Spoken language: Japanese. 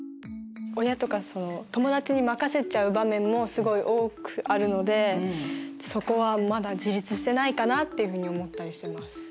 親とかその友達に任せちゃう場面もすごい多くあるのでそこはまだ自立してないかなっていうふうに思ったりしてます。